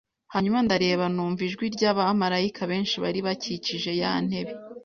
Hanyuma ndareba numva ijwi ry abamarayika benshi bari bakikije ya ntebe